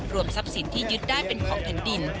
ทรัพย์สินที่ยึดได้เป็นของแผ่นดิน